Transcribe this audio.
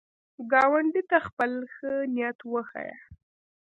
ګاونډي ته خپل ښه نیت وښیه